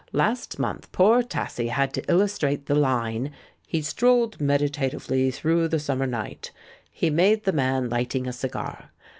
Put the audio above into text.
Last month poor Tassie had to illustrate the Hne, 'He strolled meditatively through the summer night.' He made the man lighting a cigar.